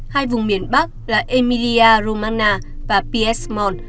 hai vùng miền bắc là emilia romagna và piesmont